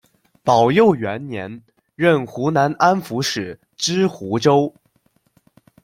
宝佑元年，任湖南安抚使，知湖州。